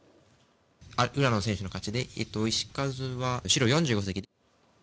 浦野選手の勝ちで石数は、白４５石。